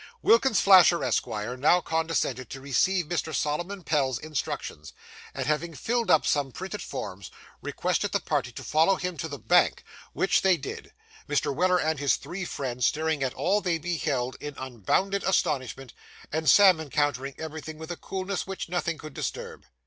Wilkins Flasher, Esquire, now condescended to receive Mr. Solomon Pell's instructions, and having filled up some printed forms, requested the party to follow him to the bank, which they did: Mr. Weller and his three friends staring at all they beheld in unbounded astonishment, and Sam encountering everything with a coolness which nothing could disturb.